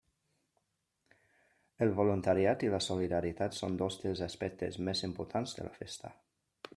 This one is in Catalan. El voluntariat i la solidaritat són dos dels aspectes més importants de la festa.